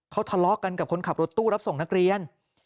เขาทะเลาะกันกับคนขับรถตู้รับส่งนักเรียน